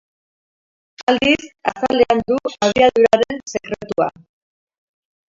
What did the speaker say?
Aldiz, azalean du abiaduraren sekretua.